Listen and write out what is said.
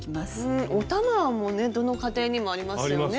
お玉もねどの家庭にもありますよね。